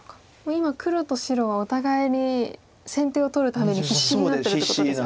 今黒と白お互いに先手を取るために必死になってるってことですよね。